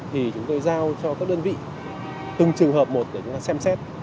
thì chúng tôi giao cho các đơn vị từng trường hợp một để chúng ta xem xét